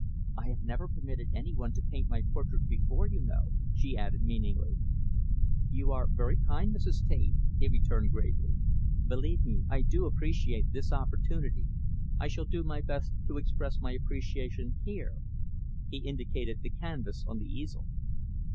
"I have never permitted any one to paint my portrait before, you know," she added meaningly. "You are very kind, Mrs. Taine," he returned gravely. "Believe me, I do appreciate this opportunity I shall do my best to express my appreciation here" he indicated the canvas on the easel.